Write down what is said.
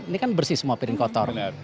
ini kan bersih semua piring kotor